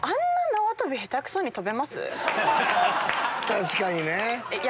確かにね。